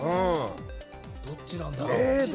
どっちなんだろう。